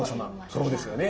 そうですよね。